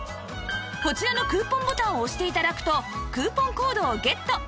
こちらのクーポンボタンを押して頂くとクーポンコードをゲット